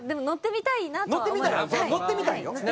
乗ってみたい乗ってみたいよ。